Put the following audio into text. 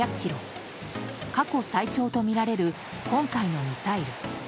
過去最長とみられる今回のミサイル。